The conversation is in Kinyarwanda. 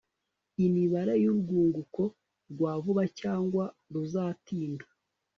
imibare y'urwunguko rwa vuba cyangwa ruzatinda